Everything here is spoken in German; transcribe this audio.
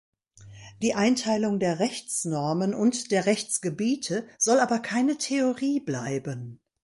Die Einteilung der Rechtsnormen und der Rechtsgebiete soll aber keine Theorie bleiben.